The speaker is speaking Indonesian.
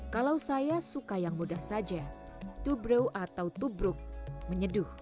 kalau saya suka yang mudah saja tubruk atau tubruk menyeduh